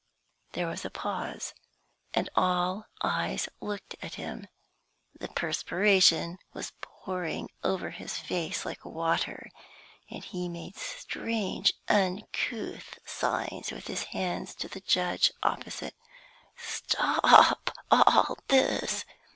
There was a pause, and all eyes looked at him. The perspiration was pouring over his face like water, and he made strange, uncouth signs with his hands to the judge opposite. "Stop all this!"